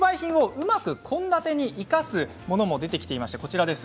特売品をうまく献立に生かすものも出ています。